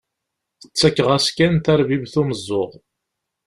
Ttakeɣ-as kan, tarbibt umeẓẓuɣ.